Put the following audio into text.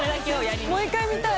もう一回見たい。